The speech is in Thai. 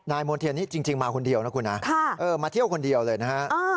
มณ์เทียนนี่จริงมาคนเดียวนะคุณนะมาเที่ยวคนเดียวเลยนะฮะ